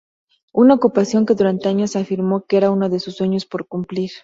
Una ocupación que durante años afirmó que era uno de sus sueños por cumplir.